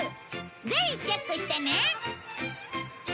ぜひチェックしてね！